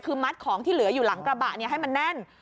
คือมัดของที่เหลืออยู่หลังกระบะให้มันแน่น